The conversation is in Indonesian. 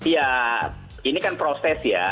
ya ini kan proses ya